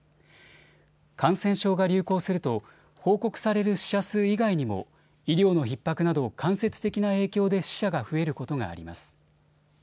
感染症が流行すると報告される死者数以外にも医療のひっ迫など間接的な影響で死者が増えることがあります。